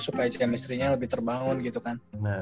supaya chemistry nya lebih terbangun gitu kan